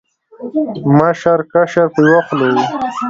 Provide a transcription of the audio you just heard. مشر، کشر په یو خوله و